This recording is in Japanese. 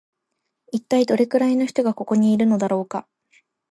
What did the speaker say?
一体どれくらいの人がここのいるのだろうか